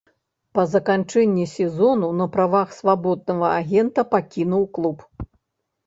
Па заканчэнні сезону на правах свабоднага агента пакінуў клуб.